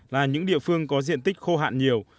là những địa phương có diện tích khô hạn nhiều